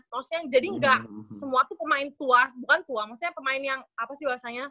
maksudnya jadi enggak semua tuh pemain tua bukan tua maksudnya pemain yang apa sih bahasanya